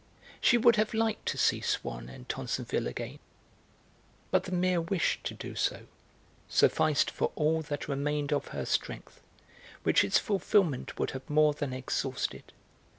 She would have liked to see Swann and Tansonville again; but the mere wish to do so sufficed for all that remained of her strength, which its fulfilment would have more than exhausted.